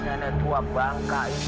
nenek tua bangkai